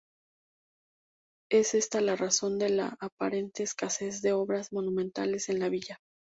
Es esta la razón de la aparente escasez de obras monumentales en la villa.